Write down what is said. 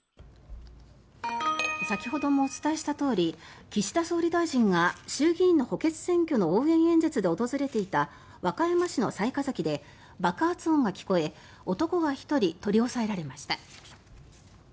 先ほどもお伝えしたとおり岸田総理大臣が衆議院の補欠選挙の応援演説で訪れていた和歌山市の雑賀崎で爆発音が聞こえ男が１人取り押さえられました。